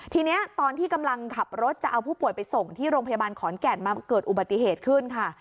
ทีนี้ตอนที่กำลังขับรถจะเอาผู้ป่วยไปส่งที่โรงพยาบาลขอนแก่นมาเกิดอุบัติเหตุขึ้นค่ะ